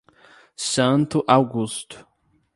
Santo Augusto